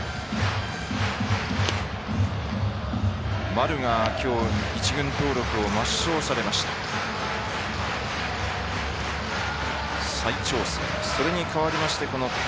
丸が、きょう一軍登録を抹消されました。